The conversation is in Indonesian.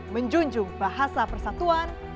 menjunjung bahasa persatuan